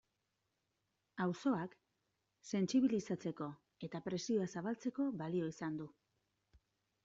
Auzoak sentsibilizatzeko eta presioa zabaltzeko balio izan du.